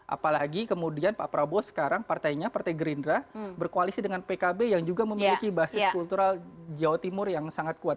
apalagi kemudian pak prabowo sekarang partainya partai gerindra berkoalisi dengan pkb yang juga memiliki basis kultural jawa timur yang sangat kuat